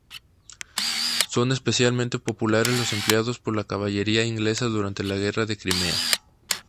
Son especialmente populares los empleados por la caballería inglesa durante la Guerra de Crimea.